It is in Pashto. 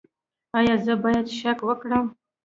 ایا زه باید شک وکړم؟